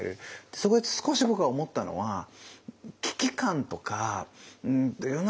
そこで少し僕が思ったのは危機感とか世の中